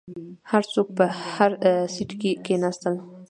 هر څوک په هر سیټ کې کیناستل.